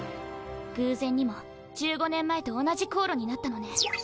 偶然にも１５年前と同じ航路になったのね。